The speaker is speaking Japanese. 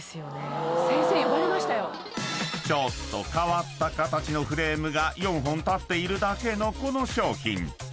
［ちょっと変わった形のフレームが４本立っているだけのこの商品］